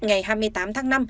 ngày hai mươi tám tháng năm